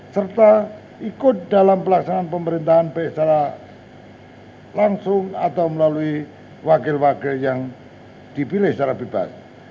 serta ikut dalam pelaksanaan pemerintahan baik secara langsung atau melalui wakil wakil yang dipilih secara bebas